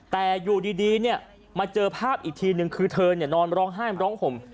แต่อยู่ดีมาเจอภาพอีกทีนึงคือเธอนอนร้องไห้ร้องห่ม